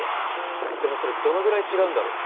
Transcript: でもそれどのぐらい違うんだろう？